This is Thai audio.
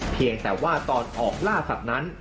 เพียงแต่ว่าตอนออกล่าสัตว์นั้น